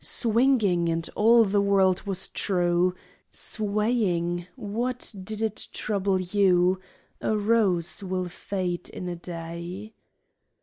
Swinging, and all the world was true. Swaying, what did it trouble you ? A rose will fade in a day.